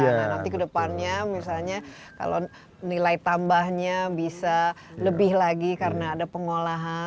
nanti ke depannya misalnya kalau nilai tambahnya bisa lebih lagi karena ada pengolahan